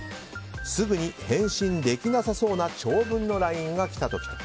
すぐに返信できなそうな長文のＬＩＮＥが来た時と。